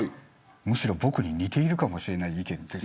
むしろ僕に似ているかもしれない意見です。